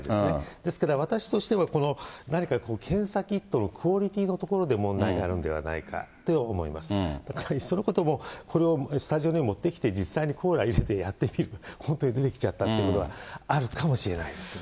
ですから、私としてはこの、何か検査キットのクオリティーのところで問題があるんではないかそのこともこのスタジオに持ってきて、実際にコーラ入れてやってみる、本当に出てきちゃったってことはあるかもしれないですね。